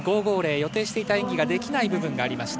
予定していた演技ができない部分がありました。